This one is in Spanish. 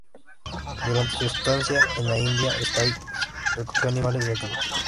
Durante su estancia en la India, Sykes recogió animales nativos.